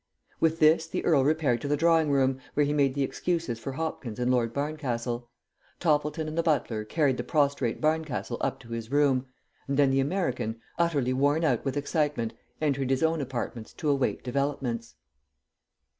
With this the earl repaired to the drawing room, where he made the excuses for Hopkins and Lord Barncastle. Toppleton and the butler carried the prostrate Barncastle up to his room, and then the American, utterly worn out with excitement, entered his own apartments to await developments.